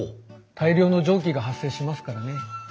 大量の蒸気が発生しますからね。